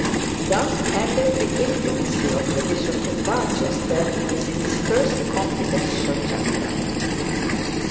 Thus ended the intimacy of the Bishop of Barchester with his confidential chaplain.